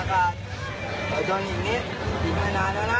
แต่ตอนนี้ยังไม่นานแล้วนะ